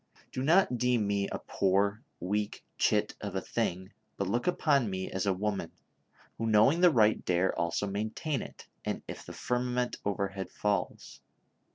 Do not deem me a poor, weak chit of a thing, but look upon me as a woman, who knowing the right dare also maintain it, and if the firmament overhead falls